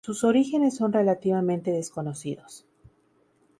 Sus orígenes son relativamente desconocidos.